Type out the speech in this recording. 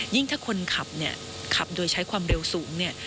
ถ้าคนขับเนี่ยขับโดยใช้ความเร็วสูงเนี่ย